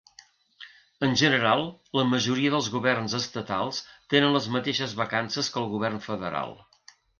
En general, la majoria dels governs estatals tenen les mateixes vacances que el govern federal.